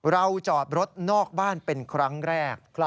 จอดรถนอกบ้านเป็นครั้งแรก